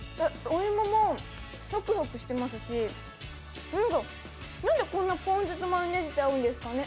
お芋もほくほくしてますしなんでこんなにポン酢とマヨネーズって合うんですかね。